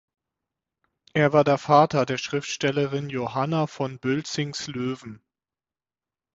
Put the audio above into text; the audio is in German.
Er war der Vater der Schriftstellerin Johanna von Bültzingslöwen.